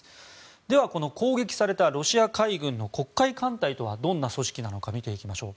では、この攻撃されたロシア海軍の黒海艦隊とはどんな組織なのか見ていきましょう。